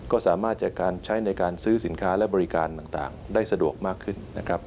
ก็สามารถจัดการใช้ในการซื้อสินค้าและบริการต่างได้สะดวกมากขึ้นนะครับ